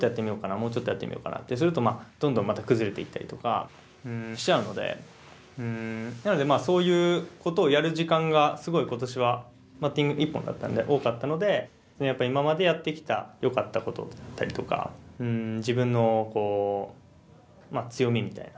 もうちょっとやってみようかなってするとどんどんまた崩れていったりとかしちゃうのでなのでそういうことをやる時間がすごい今年はバッティング一本だったので多かったのでやっぱり今までやってきたよかったことだったりとか自分の強みみたいな。